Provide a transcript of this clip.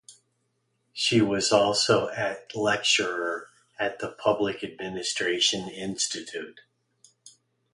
She was also at lecturer at the Public Administration Institute.